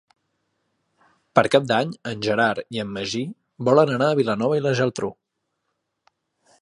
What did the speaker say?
Per Cap d'Any en Gerard i en Magí volen anar a Vilanova i la Geltrú.